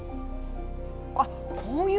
あっこういう。